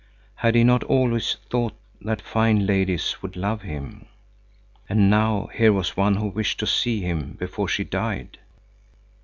Had he not always thought that fine ladies would love him? And now here was one who wished to see him before she died.